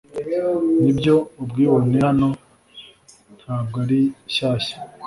Nibyo ubwibone hano ntabwo ari shyashya